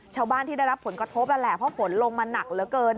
ชาวบ้านที่ได้รับผลกระทบนั่นแหละเพราะฝนลงมาหนักเหลือเกิน